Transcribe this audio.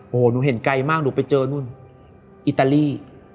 โอ้โหหนูเห็นไกลมากหนูไปเจอนู่นอิตาลี